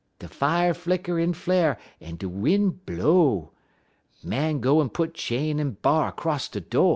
De fier flicker en flar' en de win' blow. Man go en put chain en bar 'cross de do'.